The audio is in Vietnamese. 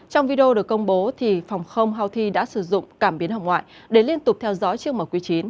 trong video được công bố phòng không houthi đã sử dụng cảm biến hồng ngoại để liên tục theo dõi chiếc mq chín